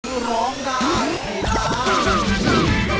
ทุกคนร้องได้ไหมละ